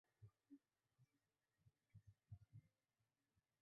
স্পষ্ট বলতে হল, এলাদির সঙ্গে বিশেষ কথা আছে।